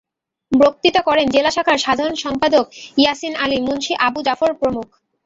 বক্তৃতা করেন জেলা শাখার সাধারণ সম্পাদক ইয়াছিন আলী, মুন্সী আবু জাফর প্রমুখ।